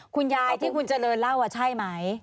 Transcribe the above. คุณยายอาทิตย์ที่คุณเจริญเล่าอ่ะใช่ไหม